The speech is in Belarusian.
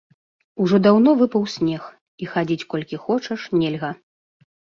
Ужо даўно выпаў снег, і хадзіць колькі хочаш, нельга.